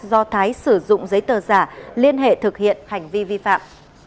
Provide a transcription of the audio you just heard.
do thái sử dụng giấy tờ giả liên hệ thực hiện hành vi vi phạm